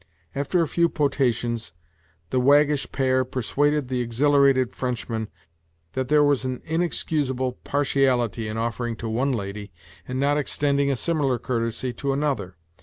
After a few potations, the waggish pair persuaded the exhilarated Frenchman that there was an inexcusable partiality in offering to one lady, and not extending a similar courtesy to another.